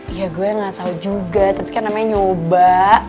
ya gue gak tau juga tapi kan namanya nyoba